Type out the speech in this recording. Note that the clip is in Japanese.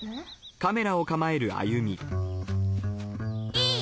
いい？